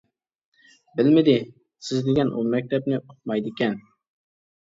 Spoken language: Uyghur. بىلمىدى. سىز دېگەن ئۇ مەكتەپنى ئۇقمايدىكەنمەن.